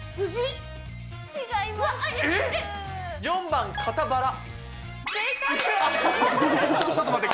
４番、肩バラ。